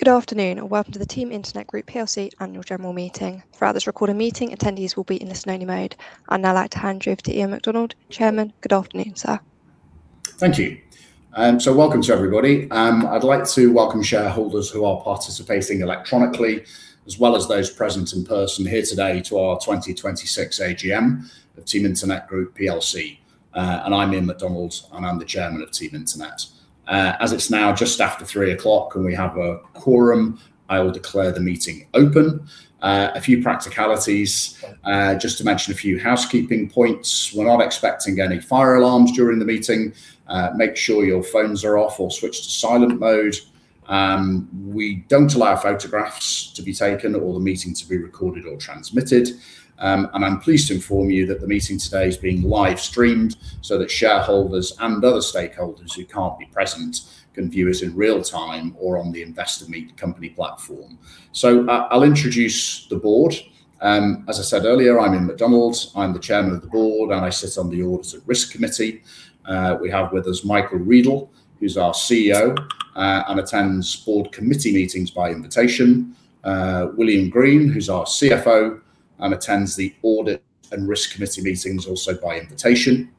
Good afternoon, and welcome to the Team Internet Group PLC Annual General Meeting. Throughout this recorded meeting, attendees will be in listen-only mode. I'd now like to hand you over to Iain McDonald, Chairman. Good afternoon, sir. Thank you. Welcome to everybody. I'd like to welcome shareholders who are participating electronically, as well as those present in person here today to our 2026 AGM of Team Internet Group PLC. I'm Iain McDonald, and I'm the chairman of Team Internet. As it's now just after 3:00 P.M. and we have a quorum, I will declare the meeting open. A few practicalities, just to mention a few housekeeping points. We're not expecting any fire alarms during the meeting. Make sure your phones are off or switched to silent mode. We don't allow photographs to be taken or the meeting to be recorded or transmitted. I'm pleased to inform you that the meeting today is being live-streamed so that shareholders and other stakeholders who can't be present can view us in real time or on the Investor Meet Company platform. I'll introduce the board. As I said earlier, I'm Iain McDonald. I'm the chairman of the board, and I sit on the Audit and Risk Committee. We have with us Michael Riedl, who's our CEO, and attends board committee meetings by invitation. Billy Green, who's our CFO, and attends the Audit and Risk Committee meetings also by invitation.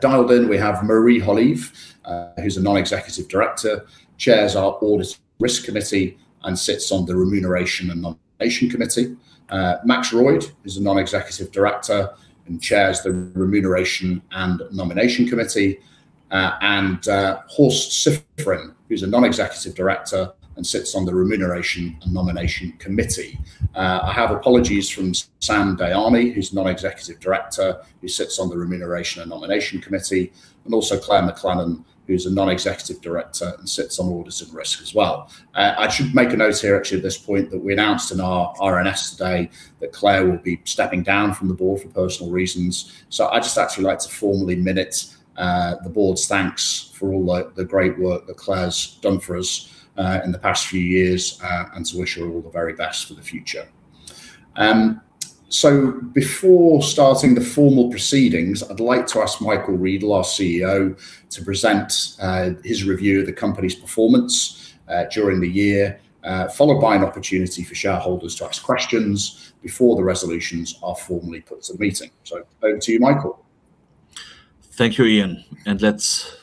Dialed in, we have Marie Holive, who's a non-executive director, chairs our Audit and Risk Committee, and sits on the Remuneration and Nomination Committee. Max Royde, who's a non-executive director and chairs the Remuneration and Nomination Committee. Horst Siffrin, who's a non-executive director and sits on the Remuneration and Nomination Committee. I have apologies from Sam Dayani, who's a non-executive director. He sits on the Remuneration and Nomination Committee. Also Claire MacLellan, who's a non-executive director and sits on Audit and Risk as well. I should make a note here, actually, at this point that we announced in our RNS today that Claire will be stepping down from the board for personal reasons. I'd just actually like to formally minute the board's thanks for all the great work that Claire's done for us in the past few years and to wish her all the very best for the future. Before starting the formal proceedings, I'd like to ask Michael Riedl, our CEO, to present his review of the company's performance during the year, followed by an opportunity for shareholders to ask questions before the resolutions are formally put to the meeting. Over to you, Michael. Thank you, Iain, and let's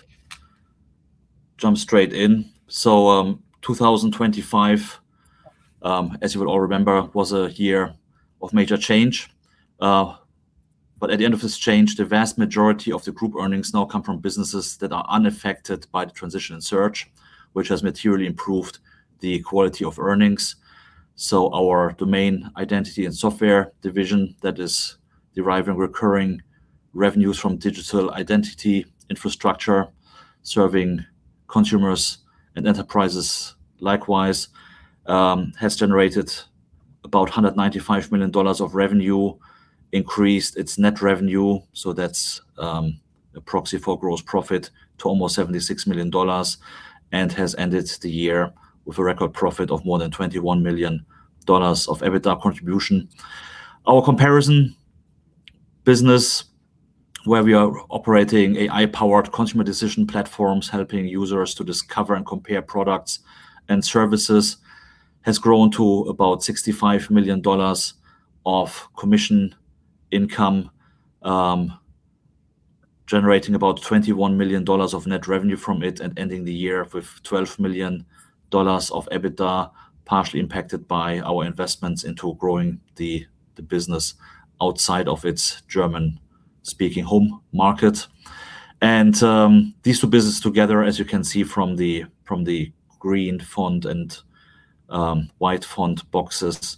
jump straight in. 2025, as you will all remember, was a year of major change. At the end of this change, the vast majority of the group earnings now come from businesses that are unaffected by the transition in Search, which has materially improved the quality of earnings. Our domain identity and software division that is deriving recurring revenues from digital identity infrastructure, serving consumers and enterprises likewise, has generated about $195 million of revenue, increased its net revenue, so that's a proxy for gross profit, to almost $76 million, and has ended the year with a record profit of more than $21 million of EBITDA contribution. Our Comparison business, where we are operating AI-powered consumer decision platforms, helping users to discover and compare products and services, has grown to about $65 million of commission income, generating about $21 million of net revenue from it, and ending the year with $12 million of EBITDA, partially impacted by our investments into growing the business outside of its German-speaking home market. These two businesses together, as you can see from the green font and white font boxes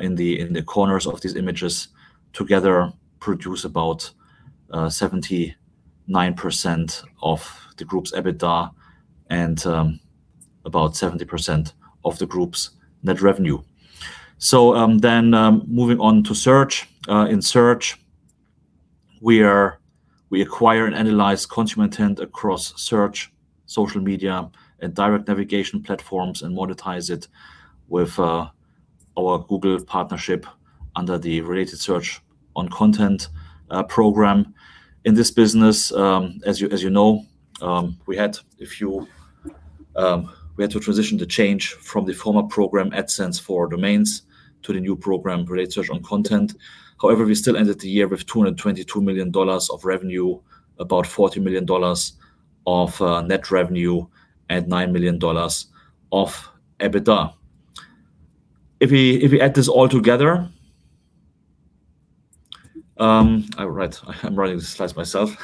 in the corners of these images, together produce about 79% of the group's EBITDA and about 70% of the group's net revenue. Moving on to Search. In Search, we acquire and analyze consumer intent across search, social media, and direct navigation platforms and monetize it with our Google partnership under the Related Search on Content program. In this business, as you know, we had to transition the change from the former program, AdSense for Domains, to the new program, Related Search on Content. However, we still ended the year with $222 million of revenue, about $40 million of net revenue, and $9 million of EBITDA. If we add this all together. I'm running this slide myself.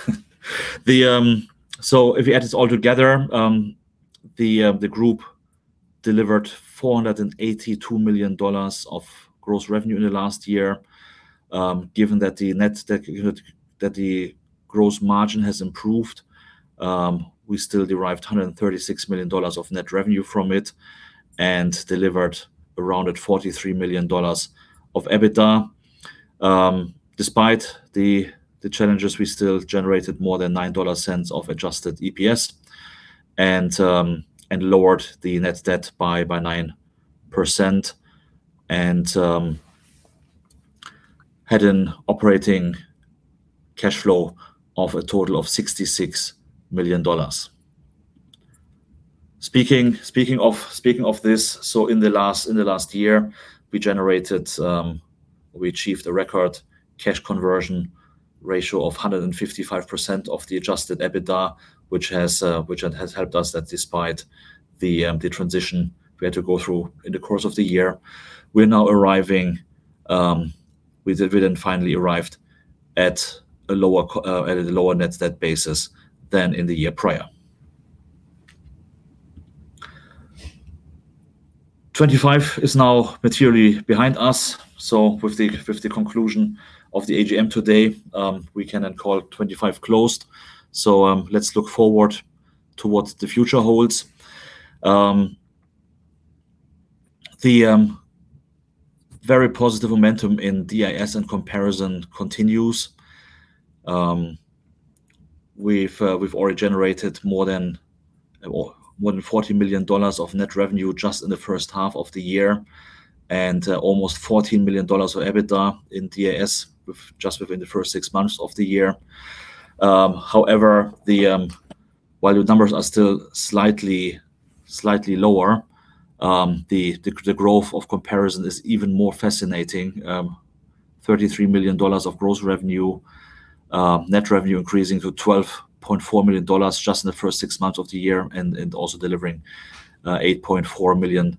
If you add this all together, the group delivered $482 million of gross revenue in the last year. Given that the gross margin has improved, we still derived $136 million of net revenue from it and delivered around $43 million of EBITDA. Despite the challenges, we still generated more than $0.09 of adjusted EPS and lowered the net debt by 9%. Had an operating cash flow of a total of $66 million. Speaking of this, in the last year, we achieved a record cash conversion ratio of 155% of the adjusted EBITDA, which has helped us that despite the transition we had to go through in the course of the year. We have finally arrived at a lower net debt basis than in the year prior. 2025 is now materially behind us, so with the conclusion of the AGM today, we can call 2025 closed. Let's look forward to what the future holds. The very positive momentum in DIS and Comparison continues. We've already generated more than $40.8 Million of net revenue just in the first half of the year, and almost $14 million of EBITDA in DIS just within the first six months of the year. However, while the numbers are still slightly lower, the growth of Comparison is even more fascinating. $33 million of gross revenue. Net revenue increasing to $12.4 million just in the first six months of the year, also delivering $8.4 million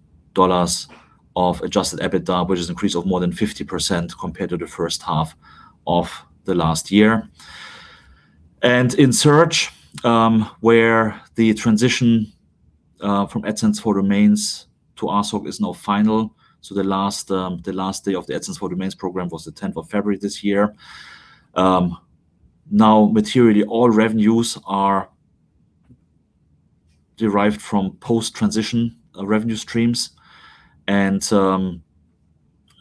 of adjusted EBITDA, which is an increase of more than 50% compared to the first half of the last year. In Search, where the transition from AdSense for Domains to RSOC is now final. The last day of the AdSense for Domains program was the 10th of February this year. Materially, all revenues are derived from post-transition revenue streams,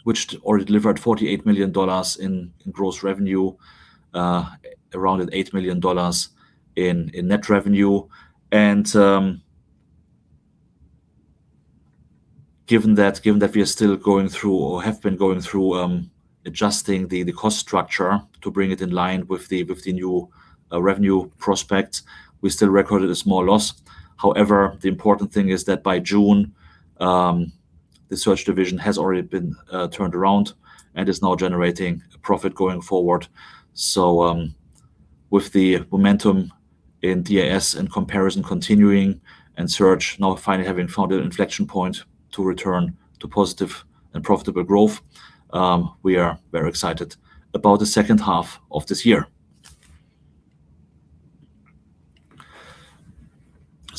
which already delivered $48 million in gross revenue, around $8 million in net revenue. Given that we are still going through or have been going through adjusting the cost structure to bring it in line with the new revenue prospects, we still recorded a small loss. However, the important thing is that by June, the Search division has already been turned around and is now generating profit going forward. With the momentum in DIS and Comparison continuing, and Search now finally having found an inflection point to return to positive and profitable growth, we are very excited about the second half of this year.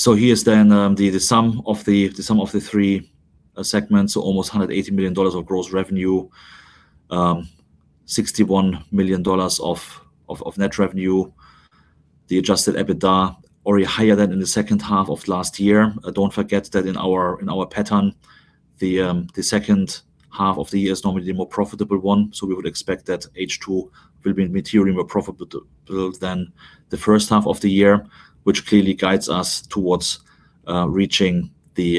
Here is the sum of the three segments. Almost $180 million of gross revenue, $61 million of net revenue. The adjusted EBITDA already higher than in the second half of last year. Don't forget that in our pattern, the second half of the year is normally the more profitable one, so we would expect that H2 will be materially more profitable than the first half of the year, which clearly guides us towards reaching the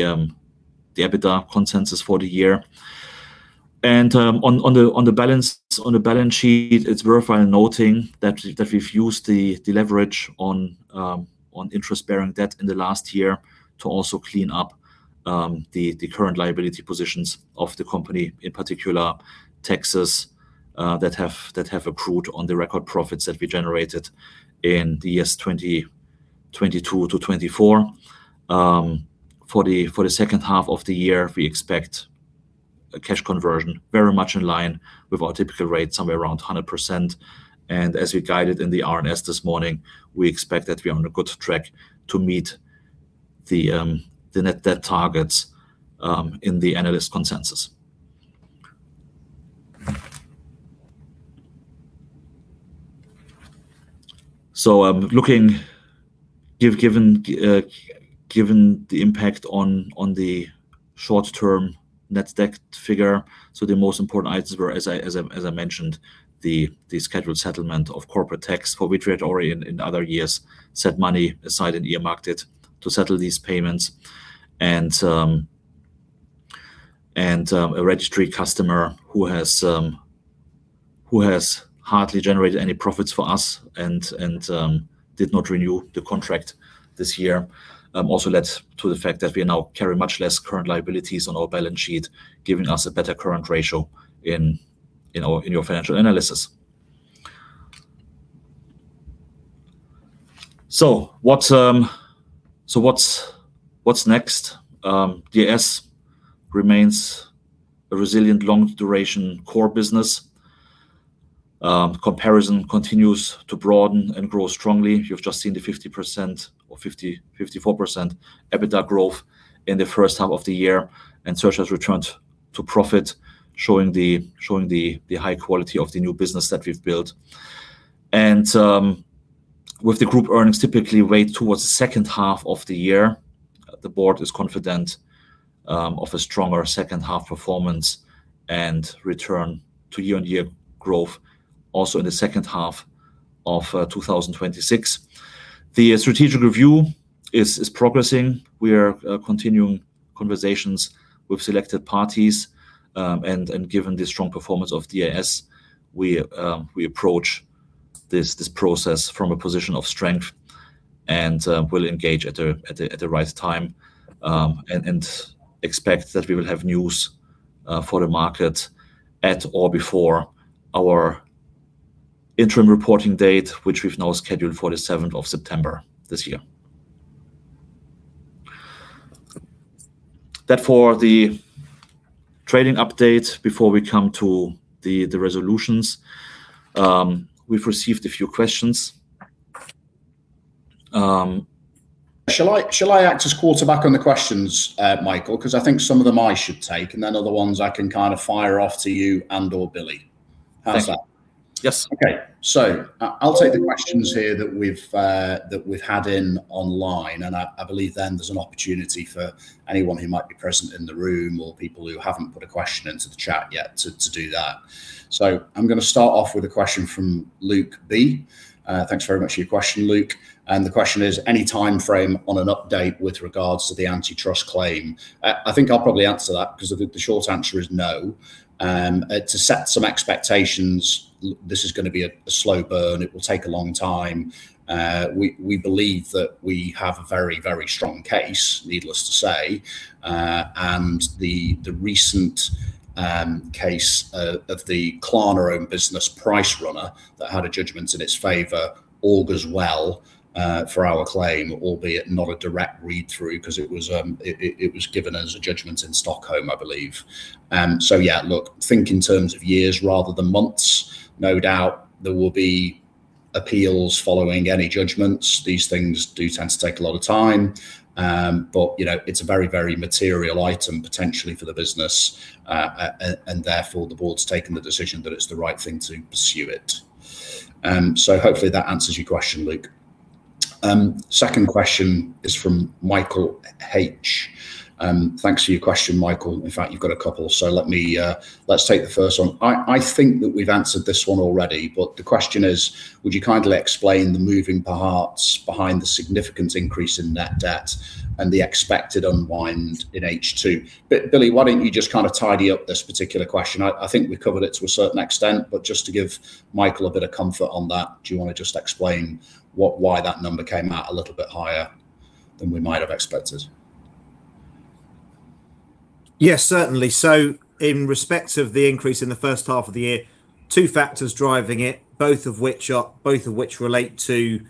EBITDA consensus for the year. On the balance sheet, it's worthwhile noting that we've used the leverage on interest-bearing debt in the last year to also clean up the current liability positions of the company, in particular, taxes, that have accrued on the record profits that we generated in the years 2022 to 2024. For the second half of the year, we expect a cash conversion very much in line with our typical rate, somewhere around 100%. As we guided in the RNS this morning, we expect that we are on a good track to meet the net debt targets in the analyst consensus. Given the impact on the short-term net debt figure, the most important items were, as I mentioned, the scheduled settlement of corporate tax for which we had already, in other years, set money aside and earmarked it to settle these payments. A registry customer who has hardly generated any profits for us and did not renew the contract this year, also led to the fact that we now carry much less current liabilities on our balance sheet, giving us a better current ratio in your financial analysis. What's next? DIS remains a resilient long-duration core business. Comparison continues to broaden and grow strongly. You've just seen the 50% or 54% EBITDA growth in the first half of the year. Search has returned to profit, showing the high quality of the new business that we've built. With the group earnings typically weighed towards the second half of the year, the board is confident of a stronger second half performance and return to year-on-year growth also in the second half of 2026. The strategic review is progressing. We are continuing conversations with selected parties, and given the strong performance of DIS, we approach this process from a position of strength and will engage at the right time, and expect that we will have news for the market at or before our interim reporting date, which we've now scheduled for the 7th of September this year. That for the trading update. Before we come to the resolutions, we've received a few questions. Shall I act as quarterback on the questions, Michael? Because I think some of them I should take, and then other ones I can kind of fire off to you and/or Billy. How's that? Thank you. Yes. Okay. I'll take the questions here that we've had in online, and I believe then there's an opportunity for anyone who might be present in the room or people who haven't put a question into the chat yet to do that. I'm going to start off with a question from Luke B. Thanks very much for your question, Luke. The question is, any timeframe on an update with regards to the antitrust claim? I think I'll probably answer that because I think the short answer is no. To set some expectations, this is going to be a slow burn. It will take a long time. We believe that we have a very strong case, needless to say, and the recent case of the Klarna-owned business, PriceRunner, that had a judgment in its favor augurs well for our claim, albeit not a direct read-through because it was given as a judgment in Stockholm, I believe. Look, think in terms of years rather than months. No doubt there will be appeals following any judgments. These things do tend to take a lot of time. It's a very material item potentially for the business, and therefore the board's taken the decision that it's the right thing to pursue it. Hopefully that answers your question, Luke. Second question is from Michael H. Thanks for your question, Michael. In fact, you've got a couple, let's take the first one. I think that we've answered this one already, the question is: Would you kindly explain the moving parts behind the significant increase in net debt and the expected unwind in H2? Billy, why don't you just kind of tidy up this particular question? I think we covered it to a certain extent, just to give Michael a bit of comfort on that, do you want to just explain why that number came out a little bit higher than we might have expected? Yes, certainly. In respect of the increase in the first half of the year, two factors driving it, both of which relate to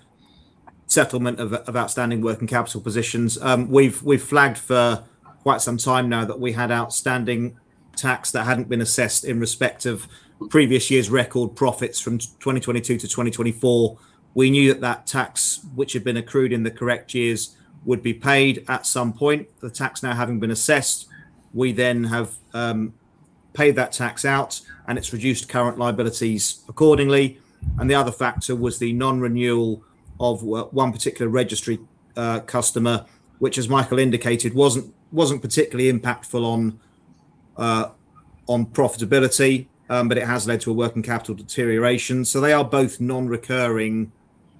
settlement of outstanding working capital positions. We've flagged for quite some time now that we had outstanding tax that hadn't been assessed in respect of previous year's record profits from 2022 to 2024. We knew that that tax, which had been accrued in the correct years, would be paid at some point. The tax now having been assessed, we then have paid that tax out, it's reduced current liabilities accordingly. The other factor was the non-renewal of one particular registry customer, which, as Michael indicated, wasn't particularly impactful on profitability, it has led to a working capital deterioration. They are both non-recurring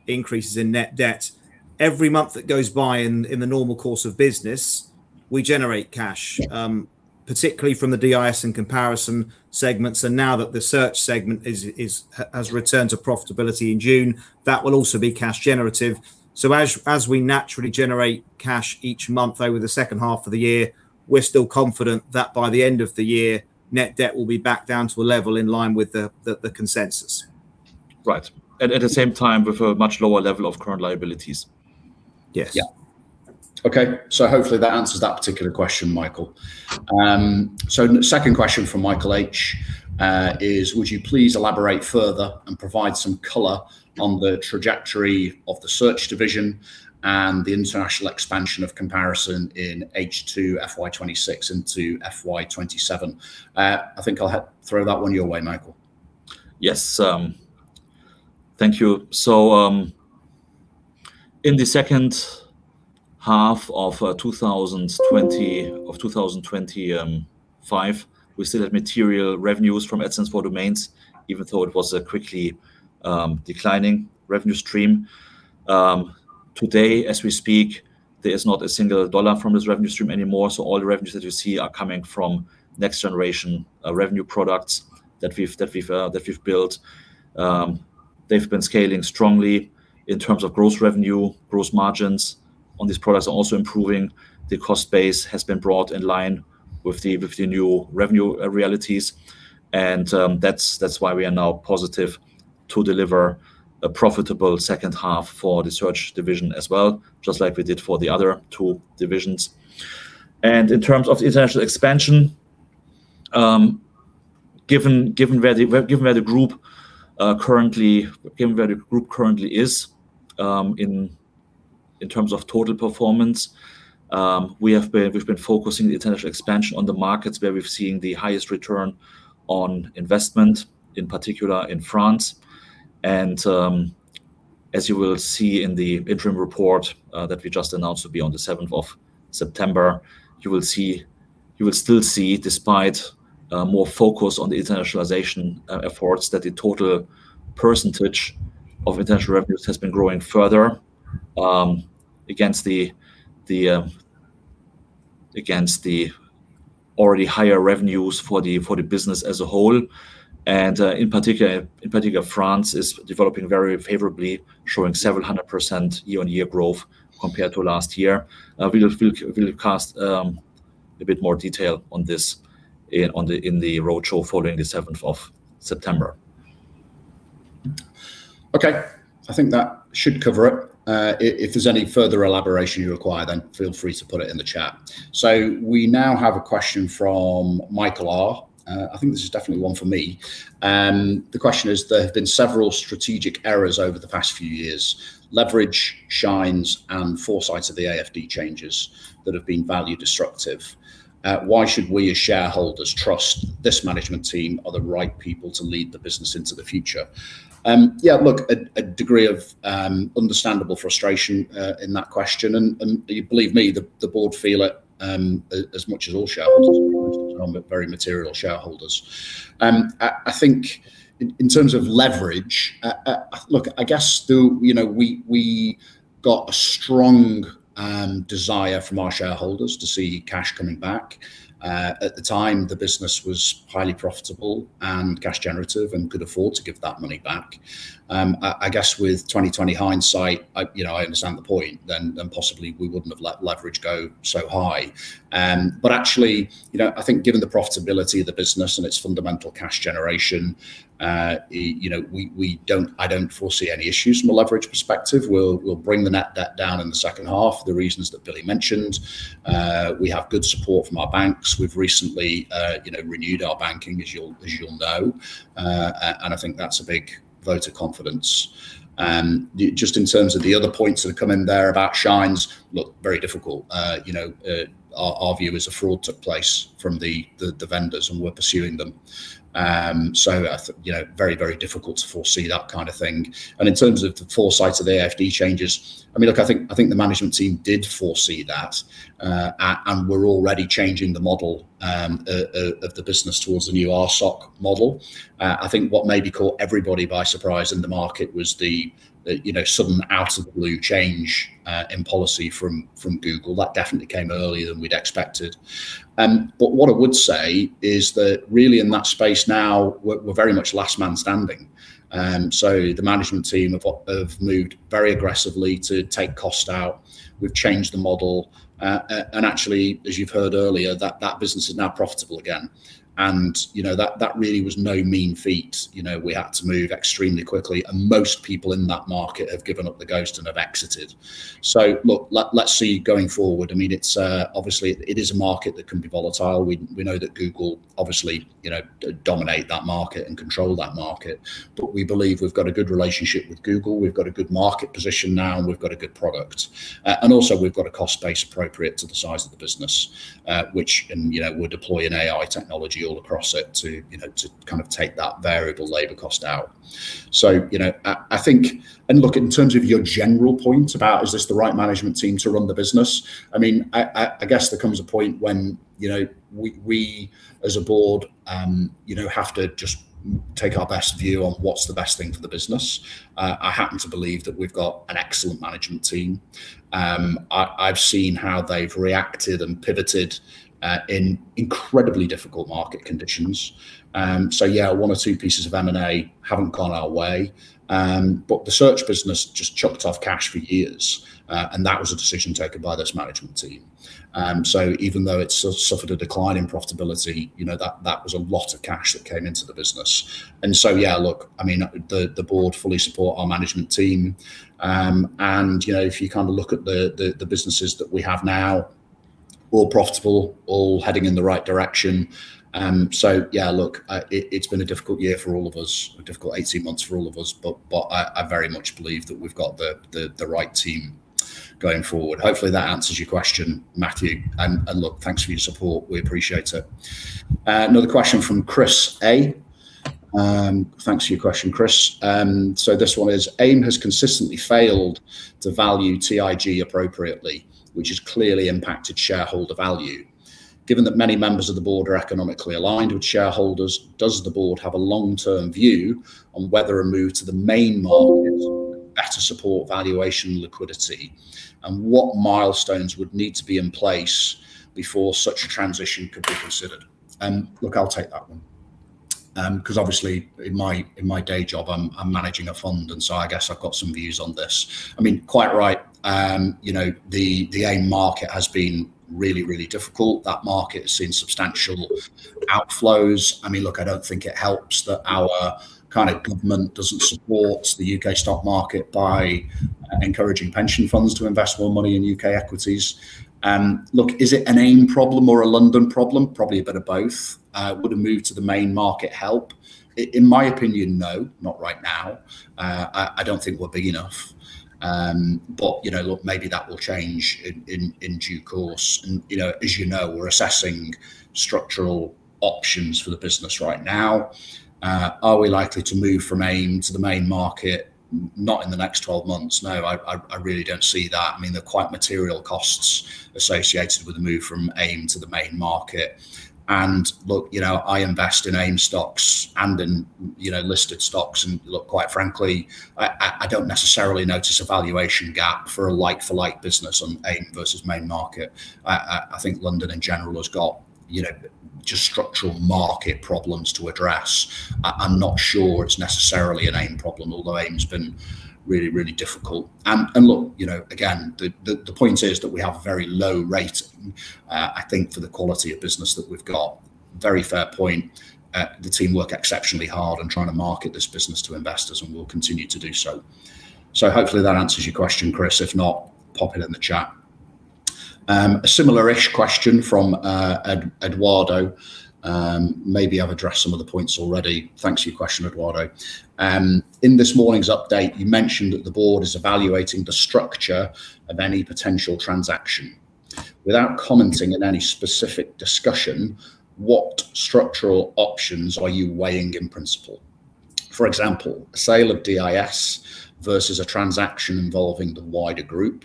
increases in net debt. Every month that goes by in the normal course of business, we generate cash- Yeah particularly from the DIS and Comparison segments. Now that the Search segment has returned to profitability in June, that will also be cash generative. As we naturally generate cash each month over the second half of the year, we're still confident that by the end of the year, net debt will be back down to a level in line with the consensus. At the same time, with a much lower level of current liabilities. Yes. Yeah. Okay. Hopefully that answers that particular question, Michael. Second question from Michael H. is: Would you please elaborate further and provide some color on the trajectory of the Search division and the international expansion of Comparison in H2 FY 2026 into FY 2027? I think I'll throw that one your way, Michael. Yes. Thank you. In the second half of 2025, we still had material revenues from AdSense for Domains, even though it was a quickly declining revenue stream. Today as we speak, there is not a single dollar from this revenue stream anymore, all the revenues that you see are coming from next generation revenue products that we've built. They've been scaling strongly in terms of gross revenue. Gross margins on these products are also improving. The cost base has been brought in line with the new revenue realities, that's why we are now positive to deliver a profitable second half for the Search division as well, just like we did for the other two divisions. In terms of international expansion, given where the group currently is in terms of total performance, we've been focusing the international expansion on the markets where we've seen the highest ROI, in particular in France. As you will see in the interim report that we just announced will be on the 7th of September, you will still see, despite more focus on the internationalization efforts, that the total percentage of international revenues has been growing further against the already higher revenues for the business as a whole. In particular, France is developing very favorably, showing 700% year-on-year growth compared to last year. We will cast a bit more detail on this in the roadshow following the 7th of September. Okay. I think that should cover it. If there's any further elaboration you require, feel free to put it in the chat. We now have a question from Michael R. I think this is definitely one for me. The question is, there have been several strategic errors over the past few years, leverage, Shinez, and foresights of the AFD changes that have been value destructive. Why should we as shareholders trust this management team are the right people to lead the business into the future? Look, a degree of understandable frustration in that question, believe me, the board feel it as much as all shareholders, very material shareholders. I think in terms of leverage, look, I guess, we got a strong desire from our shareholders to see cash coming back. At the time, the business was highly profitable and cash generative and could afford to give that money back. I guess with 2020 hindsight, I understand the point, possibly we wouldn't have let leverage go so high. Actually, I think given the profitability of the business and its fundamental cash generation, I don't foresee any issues from a leverage perspective. We'll bring the net debt down in the second half, the reasons that Billy mentioned. We have good support from our banks. We've recently renewed our banking, as you'll know. I think that's a big vote of confidence. Just in terms of the other points that have come in there about Shinez, look, very difficult. Our view is a fraud took place from the vendors, and we're pursuing them. Very difficult to foresee that kind of thing. In terms of the foresights of the AFD changes, I mean, look, I think the management team did foresee that, we're already changing the model of the business towards the new RSOC model. I think what maybe caught everybody by surprise in the market was the sudden out of the blue change in policy from Google. That definitely came earlier than we'd expected. What I would say is that really in that space now, we're very much last man standing. The management team have moved very aggressively to take cost out. We've changed the model. Actually, as you've heard earlier, that business is now profitable again. That really was no mean feat. We had to move extremely quickly, and most people in that market have given up the ghost and have exited. Look, let's see, going forward, obviously it is a market that can be volatile. We know that Google obviously dominate that market and control that market. We believe we've got a good relationship with Google, we've got a good market position now, and we've got a good product. Also we've got a cost base appropriate to the size of the business, which we're deploying AI technology all across it to kind of take that variable labor cost out. I think, look, in terms of your general point about is this the right management team to run the business, I guess there comes a point when we as a board have to just take our best view on what's the best thing for the business. I happen to believe that we've got an excellent management team. I've seen how they've reacted and pivoted in incredibly difficult market conditions. Yeah, one or two pieces of M&A haven't gone our way. The Search business just chucked off cash for years. That was a decision taken by this management team. Even though it suffered a decline in profitability, that was a lot of cash that came into the business. Yeah, look, the board fully support our management team. If you kind of look at the businesses that we have now, all profitable, all heading in the right direction. Yeah, look, it's been a difficult year for all of us, a difficult 18 months for all of us, but I very much believe that we've got the right team going forward. Hopefully that answers your question, Matthew. Look, thanks for your support. We appreciate it. Another question from Chris A. Thanks for your question, Chris. This one is, AIM has consistently failed to value TIG appropriately, which has clearly impacted shareholder value. Given that many members of the board are economically aligned with shareholders, does the board have a long-term view on whether a move to the main market would better support valuation liquidity? What milestones would need to be in place before such a transition could be considered? Look, I'll take that one. Obviously in my day job, I'm managing a fund, I guess I've got some views on this. Quite right. The AIM market has been really difficult. That market has seen substantial outflows. Look, I don't think it helps that our kind of government doesn't support the U.K. stock market by encouraging pension funds to invest more money in U.K. equities. Look, is it an AIM problem or a London problem? Probably a bit of both. Would a move to the main market help? In my opinion, no, not right now. I don't think we're big enough. Look, maybe that will change in due course. As you know, we're assessing structural options for the business right now. Are we likely to move from AIM to the main market? Not in the next 12 months. No, I really don't see that. There are quite material costs associated with the move from AIM to the main market. Look, I invest in AIM stocks and in listed stocks, look, quite frankly, I don't necessarily notice a valuation gap for a like-for-like business on AIM versus main market. I think London in general has got just structural market problems to address. I'm not sure it's necessarily an AIM problem, although AIM's been really, really difficult. Look, again, the point is that we have a very low rating, I think for the quality of business that we've got. Very fair point. The team work exceptionally hard in trying to market this business to investors and will continue to do so. Hopefully that answers your question, Chris. If not, pop it in the chat. A similar-ish question from Eduardo. Maybe I've addressed some of the points already. Thanks for your question, Eduardo. In this morning's update, you mentioned that the board is evaluating the structure of any potential transaction. Without commenting in any specific discussion, what structural options are you weighing in principle? For example, a sale of DIS versus a transaction involving the wider group,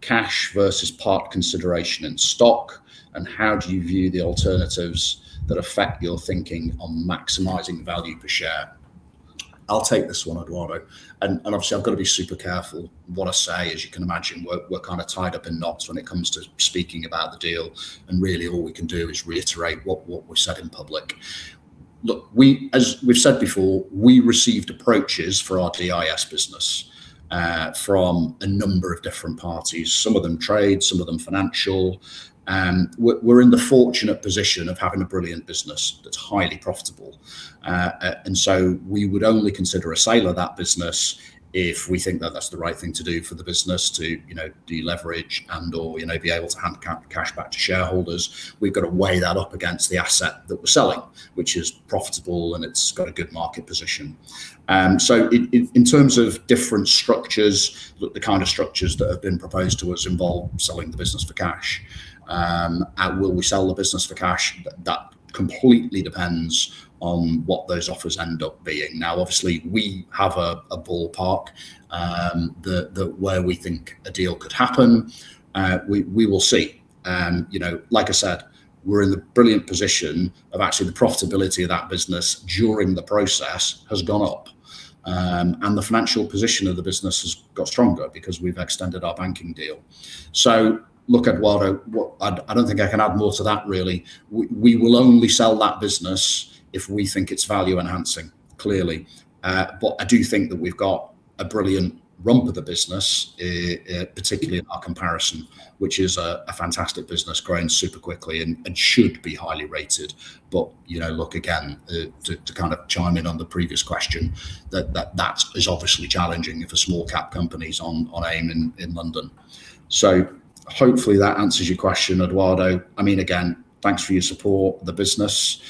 cash versus part consideration in stock, how do you view the alternatives that affect your thinking on maximizing value per share? I'll take this one, Eduardo. Obviously, I've got to be super careful what I say. As you can imagine, we're kind of tied up in knots when it comes to speaking about the deal. Really, all we can do is reiterate what we've said in public. Look, as we've said before, we received approaches for our DIS business from a number of different parties, some of them trade, some of them financial. We're in the fortunate position of having a brilliant business that's highly profitable. We would only consider a sale of that business if we think that that's the right thing to do for the business to deleverage and/or be able to hand cash back to shareholders. We've got to weigh that up against the asset that we're selling, which is profitable, and it's got a good market position. In terms of different structures, look, the kind of structures that have been proposed to us involve selling the business for cash. Will we sell the business for cash? That completely depends on what those offers end up being. Now, obviously, we have a ballpark where we think a deal could happen. We will see. Like I said, we're in the brilliant position of actually the profitability of that business during the process has gone up. The financial position of the business has got stronger because we've extended our banking deal. Look, Eduardo, I don't think I can add more to that, really. We will only sell that business if we think it's value enhancing, clearly. I do think that we've got a brilliant rump of the business, particularly in our Comparison, which is a fantastic business, growing super quickly and should be highly rated. Look, again, to kind of chime in on the previous question, that is obviously challenging for small cap companies on AIM in London. Hopefully that answers your question, Eduardo. Again, thanks for your support of the business.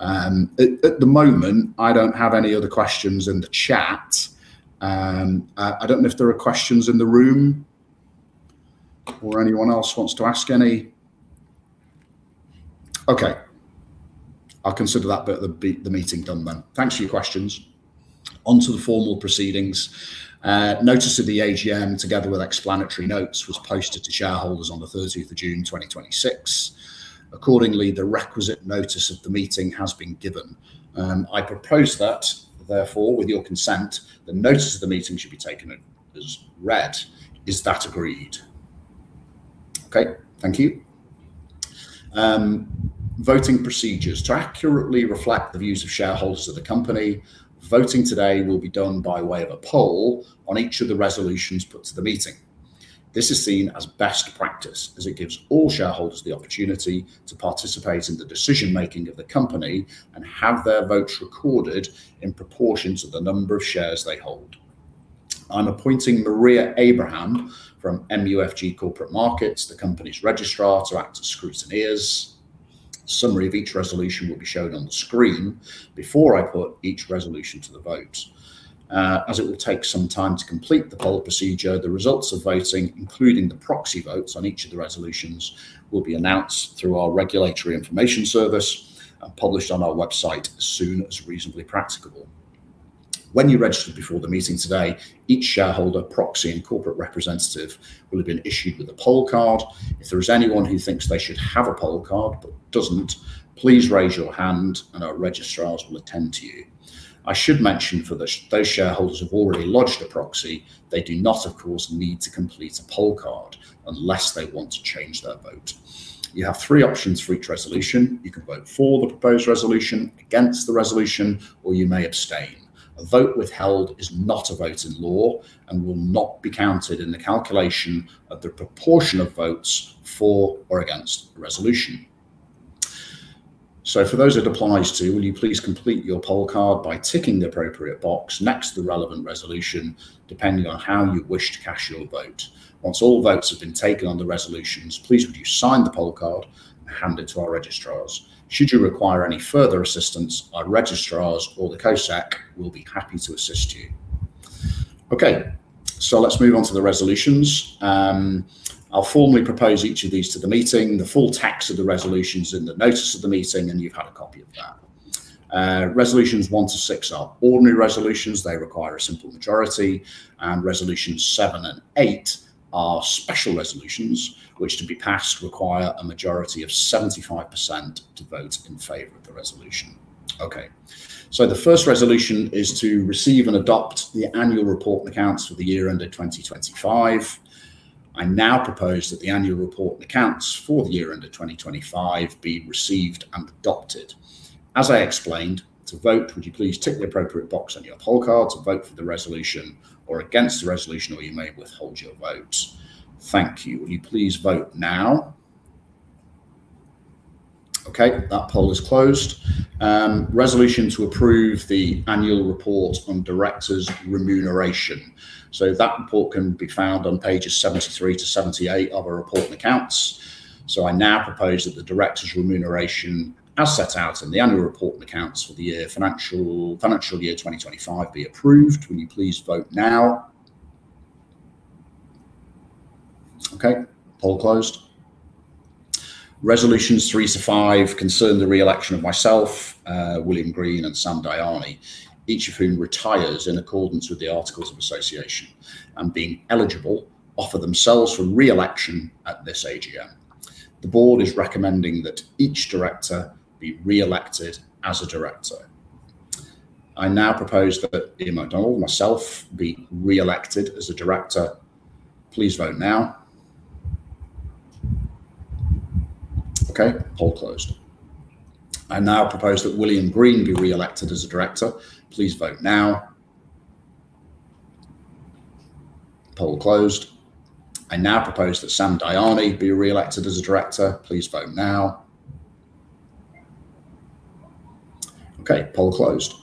At the moment, I don't have any other questions in the chat. I don't know if there are questions in the room or anyone else wants to ask any. Okay. I'll consider that bit of the meeting done then. Thanks for your questions. On to the formal proceedings. Notice of the AGM, together with explanatory notes, was posted to shareholders on the 30th of June 2026. Accordingly, the requisite notice of the meeting has been given. I propose that, therefore, with your consent, the notice of the meeting should be taken as read. Is that agreed? Okay, thank you. Voting procedures. To accurately reflect the views of shareholders of the company, voting today will be done by way of a poll on each of the resolutions put to the meeting. This is seen as best practice, as it gives all shareholders the opportunity to participate in the decision-making of the company and have their votes recorded in proportions of the number of shares they hold. I'm appointing Maria Abraham from MUFG Corporate Markets, the company's registrar, to act as scrutineers. Summary of each resolution will be shown on the screen before I put each resolution to the vote. As it will take some time to complete the poll procedure, the results of voting, including the proxy votes on each of the resolutions, will be announced through our Regulatory Information Service and published on our website as soon as reasonably practicable. When you registered before the meeting today, each shareholder, proxy, and corporate representative will have been issued with a poll card. If there is anyone who thinks they should have a poll card but doesn't, please raise your hand and our registrars will attend to you. I should mention for those shareholders who have already lodged a proxy, they do not, of course, need to complete a poll card unless they want to change their vote. You have three options for each resolution. You can vote for the proposed resolution, against the resolution, or you may abstain. A vote withheld is not a vote in law and will not be counted in the calculation of the proportion of votes for or against the resolution. For those it applies to, will you please complete your poll card by ticking the appropriate box next to the relevant resolution, depending on how you wish to cast your vote. Once all votes have been taken on the resolutions, please would you sign the poll card and hand it to our registrars. Should you require any further assistance, our registrars or the CoSec will be happy to assist you. Okay, let's move on to the resolutions. I'll formally propose each of these to the meeting. The full text of the resolution is in the notice of the meeting, and you've had a copy of that. Resolutions one to six are ordinary resolutions. They require a simple majority. Resolutions seven and eight are special resolutions, which, to be passed, require a majority of 75% to vote in favor of the resolution. Okay, the first resolution is to receive and adopt the annual report and accounts for the year ended 2025. I now propose that the annual report and accounts for the year ended 2025 be received and adopted. As I explained, to vote, would you please tick the appropriate box on your poll card to vote for the resolution or against the resolution, or you may withhold your vote. Thank you. Will you please vote now? Okay, that poll is closed. Resolution to approve the annual report on directors' remuneration. That report can be found on pages 73 to 78 of our report and accounts. I now propose that the directors' remuneration, as set out in the annual report and accounts for the financial year 2025, be approved. Will you please vote now? Okay, poll closed. Resolutions three to five concern the re-election of myself, Billy Green, and Sam Dayani, each of whom retires in accordance with the articles of association and, being eligible, offer themselves for re-election at this AGM. The board is recommending that each director be re-elected as a director. I now propose that Iain McDonald, myself, be re-elected as a director. Please vote now. Okay, poll closed. I now propose that Billy Green be re-elected as a director. Please vote now. Poll closed. I now propose that Sam Dayani be re-elected as a director. Please vote now. Okay, poll closed.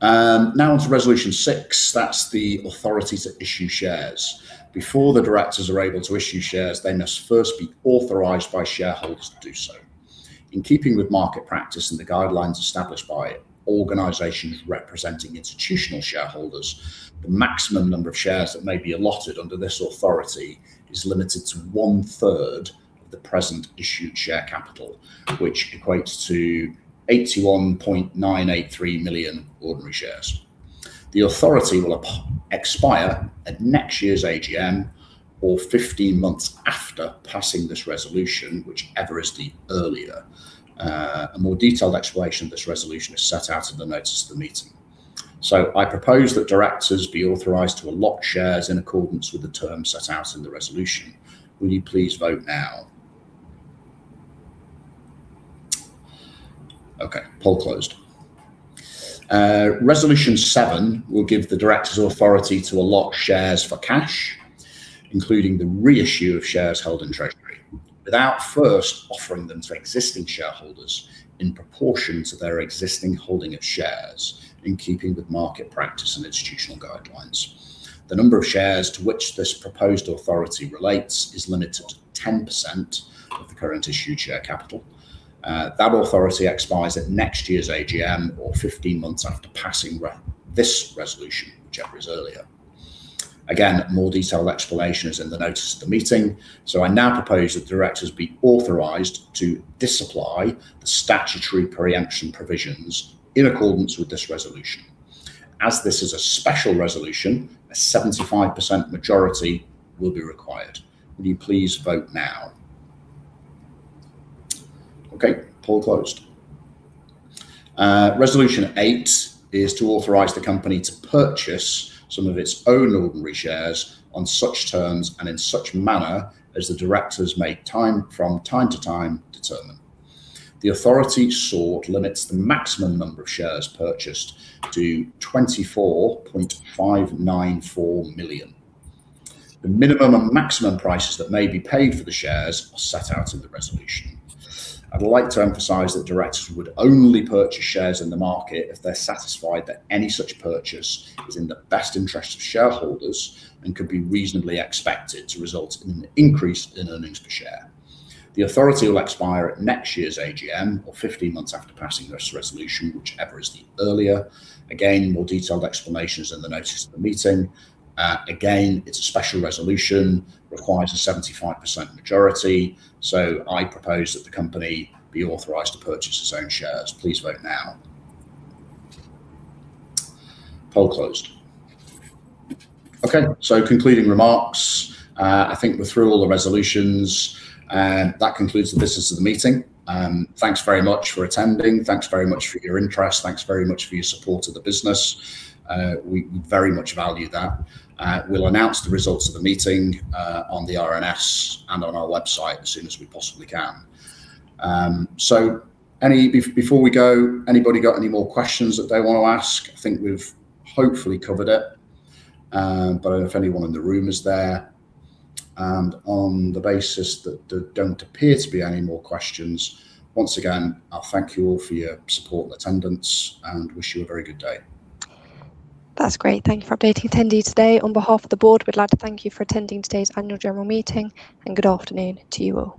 Now onto resolution six. That's the authority to issue shares. Before the directors are able to issue shares, they must first be authorized by shareholders to do so. In keeping with market practice and the guidelines established by organizations representing institutional shareholders, the maximum number of shares that may be allotted under this authority is limited to 1/3 of the present issued share capital, which equates to 81.983 million ordinary shares. The authority will expire at next year's AGM or 15 months after passing this resolution, whichever is the earlier. A more detailed explanation of this resolution is set out in the notice of the meeting. I propose that directors be authorized to allot shares in accordance with the terms set out in the resolution. Will you please vote now? Okay, poll closed. Resolution seven will give the directors authority to allot shares for cash, including the reissue of shares held in treasury, without first offering them to existing shareholders in proportion to their existing holding of shares, in keeping with market practice and institutional guidelines. The number of shares to which this proposed authority relates is limited to 10% of the current issued share capital. That authority expires at next year's AGM or 15 months after passing this resolution, whichever is earlier. Again, more detailed explanation is in the notice of the meeting. I now propose that directors be authorized to disapply the statutory preemption provisions in accordance with this resolution. As this is a special resolution, a 75% majority will be required. Will you please vote now? Okay, poll closed. Resolution eight is to authorize the company to purchase some of its own ordinary shares on such terms and in such manner as the directors may, from time to time, determine. The authority sought limits the maximum number of shares purchased to 24.594 million. The minimum and maximum prices that may be paid for the shares are set out in the resolution. I would like to emphasize that directors would only purchase shares in the market if they're satisfied that any such purchase is in the best interest of shareholders and could be reasonably expected to result in an increase in earnings per share. The authority will expire at next year's AGM or 15 months after passing this resolution, whichever is the earlier. Again, more detailed explanation is in the notice of the meeting. Again, it's a special resolution, requires a 75% majority. I propose that the company be authorized to purchase its own shares. Please vote now. Poll closed. Concluding remarks. I think we're through all the resolutions. That concludes the business of the meeting. Thanks very much for attending. Thanks very much for your interest. Thanks very much for your support of the business. We very much value that. We'll announce the results of the meeting on the RNS and on our website as soon as we possibly can. Before we go, anybody got any more questions that they want to ask? I think we've hopefully covered it. I don't know if anyone in the room is there. On the basis that there don't appear to be any more questions, once again, I thank you all for your support and attendance and wish you a very good day. That's great. Thank you for updating attendees today. On behalf of the board, we'd like to thank you for attending today's annual general meeting, and good afternoon to you all.